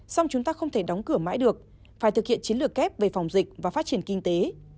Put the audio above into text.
xong chúng ta không thể đóng cửa mãi được phải thực hiện chiến lược kép về phòng dịch và phát triển kinh tế